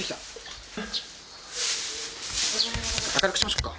明るくしましょうか。